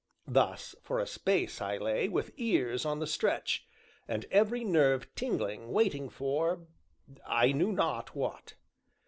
Thus, for a space, I lay, with ears on the stretch, and every nerve tingling, waiting for I knew not what.